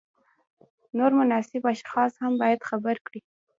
نور مناسب اشخاص هم باید خبر کړي.